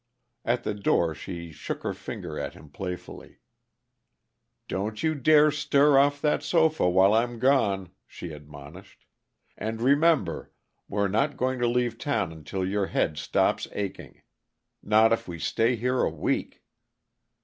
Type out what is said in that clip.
At the door she shook her finger at him playfully. "Don't you dare stir off that sofa while I'm gone," she admonished. "And, remember, we're not going to leave town until your head stops aching not if we stay here a week!"